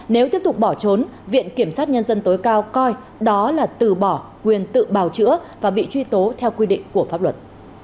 nếu tiếp tục bỏ trốn viện kiểm sát nhân dân tối cao coi đó là từ bỏ quyền tự bào chữa và bị truy tố theo quy định của pháp luật